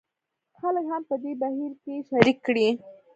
خلک هم په دې بهیر کې شریک کړي.